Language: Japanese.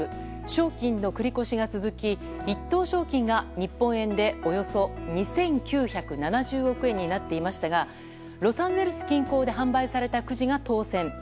賞金の繰り越しが続き１等賞金が日本円でおよそ２９７０億円になっていましたがロサンゼルス近郊で販売されたくじが当せん！